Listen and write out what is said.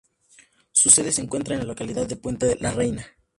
Su sede se encuentra en la localidad de Puente la Reina.